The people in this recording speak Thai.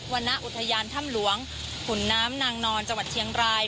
วรรณอุทยานถ้ำหลวงขุนน้ำนางนอนจังหวัดเชียงราย